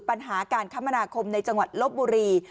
ปัญหาการคมนาคมในจังหวัดลบบุรี